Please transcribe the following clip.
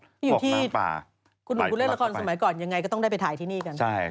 ที่อยู่ที่คุณหนุ่มคุณเล่นละครสมัยก่อนยังไงก็ต้องได้ไปถ่ายที่นี่กัน